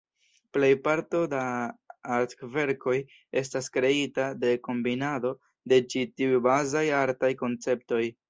Plejparto da artverkoj estas kreita de kombinado de ĉi tiuj bazaj artaj konceptoj.